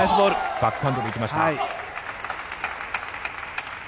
バックハンドで行きました。